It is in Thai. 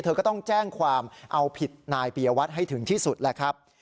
เธอก็ต้องแจ้งความเอาผิดนายปียวัตรให้ถึงที่สุดแหละครับ